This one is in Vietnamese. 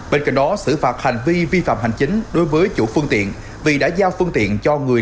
bên cạnh đó xử phạt hành vi vi phạm hành chính đối với chủ phương tiện vì đã giao phương tiện cho người